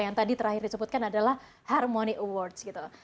yang tadi terakhir disebutkan adalah harmony awards gitu